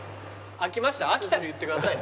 飽きたら言ってくださいね。